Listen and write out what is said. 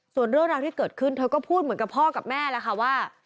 ส่วนเรื่องราวที่เกิดขึ้นเธอก็พูดเหมือนกับพ่อกับแม่แล้วค่ะว่า